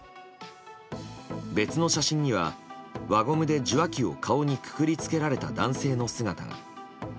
別の写真には、輪ゴムで受話器を顔にくくりつけられた男性の姿が。